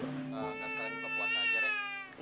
gak usah kalian berpuasa aja rek